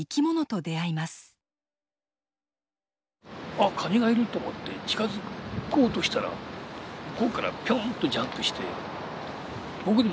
あっカニがいると思って近づこうとしたら向こうからピョーンとジャンプして僕にまっすぐ向かってくるんですよ。